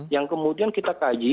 yang kemudian kita kaji